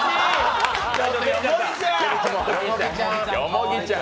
よもぎちゃん！